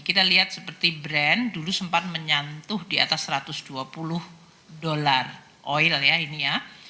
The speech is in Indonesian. kita lihat seperti brand dulu sempat menyentuh di atas satu ratus dua puluh dolar oil ya ini ya